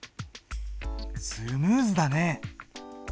スムーズだね。